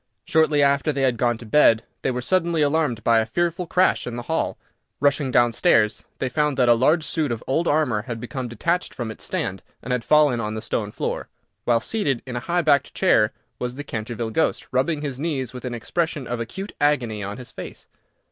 Shortly after they had gone to bed they were suddenly alarmed by a fearful crash in the hall. Rushing down stairs, they found that a large suit of old armour had become detached from its stand, and had fallen on the stone floor, while seated in a high backed chair was the Canterville ghost, rubbing his knees with an expression of acute agony on his face.